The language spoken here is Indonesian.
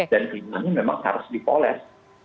dan keinginannya memang harus dipoles